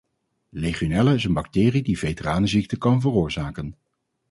Legionella is een bacterie die veteranenziekte kan veroorzaken.